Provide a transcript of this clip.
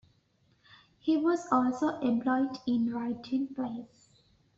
He was also employed in writing plays.